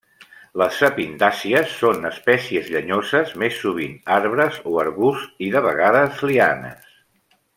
Les sapindàcies són espècies llenyoses, més sovint arbres o arbusts, i de vegades lianes.